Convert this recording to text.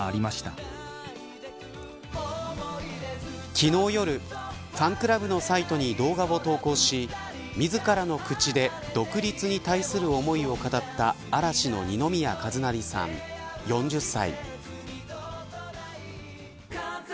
昨日夜ファンクラブのサイトに動画を投稿し自らの口で独立に対する思いを語った嵐の二宮和也さん、４０歳。